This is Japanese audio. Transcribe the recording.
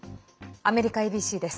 アメリカＡＢＣです。